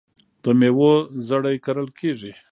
د میوو زړې کرل کیږي.